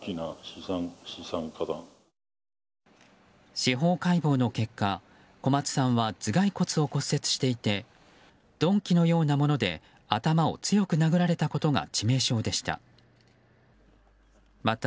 司法解剖の結果、小松さんは頭蓋骨を骨折していて鈍器のようなもので頭を強く殴られたことが、致命傷でした。